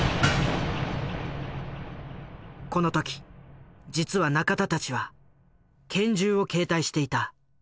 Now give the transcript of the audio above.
この時実は仲田たちは拳銃を携帯していた。